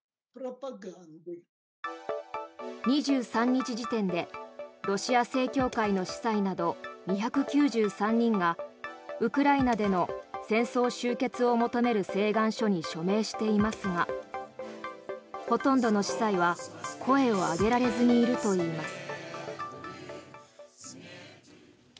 ２３日時点でロシア正教会の司祭など２９３人がウクライナでの戦争終結を求める請願書に署名していますがほとんどの司祭は声を上げられずにいるといいます。